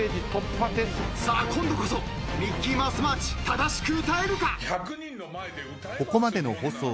今度こそ『ミッキーマウス・マーチ』正しく歌えるか？